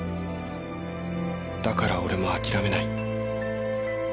だから俺も諦めない。